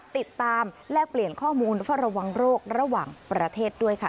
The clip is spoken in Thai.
แลกเปลี่ยนข้อมูลเฝ้าระวังโรคระหว่างประเทศด้วยค่ะ